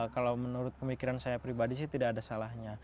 kalau menurut pemikiran saya pribadi sih tidak ada salahnya